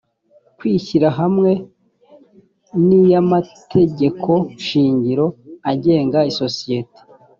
kwishyira hamwe n iy amategekoshingiro agenga isosiyete